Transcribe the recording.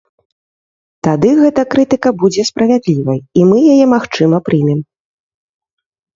Тады гэта крытыка будзе справядлівай і мы яе, магчыма, прымем.